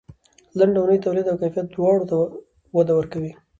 لنډه اونۍ د تولید او کیفیت دواړو ته وده ورکوي.